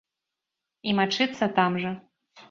І мачыцца там жа.